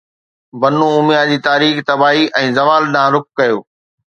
بنو اميه جي تاريخ تباهي ۽ زوال ڏانهن رخ ڪيو